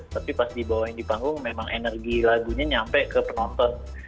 tapi pas dibawain di panggung memang energi lagunya nyampe ke penonton